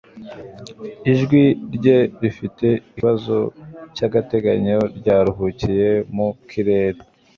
Ijwi rye rifite ikibazo cyagateganyo ryaruhukiye mu kirere